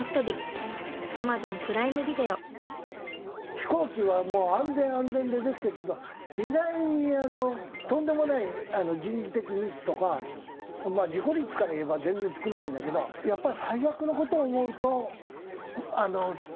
飛行機はもう安全安全でできてるけど意外にとんでもない人為的ミスとか事故率からいえば全然少ないんだけどやっぱり最悪の事を思うと。